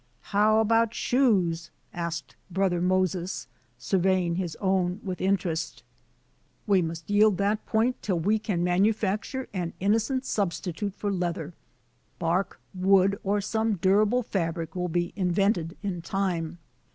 "Haou abaout shoes?" asked Brother Moses, . surveying his own with interest. "We must yield that point till we can manu facture an innocent substitute for leather. I Bark, wood, or some durable fabric will be in ; vented in time.